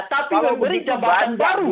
tapi memberi kembang baru